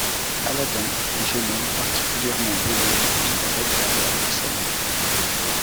Aladin, un jeune homme particulièrement benêt, vit à Bagdad avec sa mère.